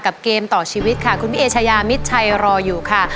เกมต่อชีวิตค่ะคุณพี่เอชายามิดชัยรออยู่ค่ะ